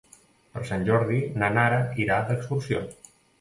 Per Sant Jordi na Nara irà d'excursió.